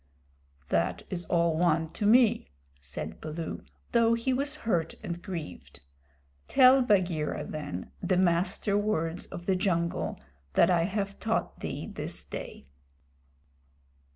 "That is all one to me," said Baloo, though he was hurt and grieved. "Tell Bagheera, then, the Master Words of the Jungle that I have taught thee this day."